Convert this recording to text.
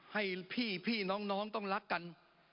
ให้พี่น้องต้องรักกัน